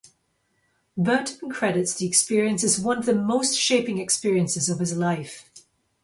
Burton credits the experience as one of the most shaping experiences of his life.